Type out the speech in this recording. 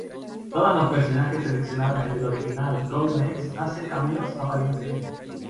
Todos los personajes seleccionables del Original "Golden Axe" hacen cameos apariencias.